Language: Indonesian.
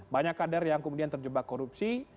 banyak kader yang kemudian terjebak korupsi